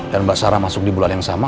dan mbak sarah masuk di bulan yang sama